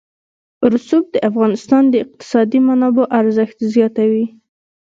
رسوب د افغانستان د اقتصادي منابعو ارزښت زیاتوي.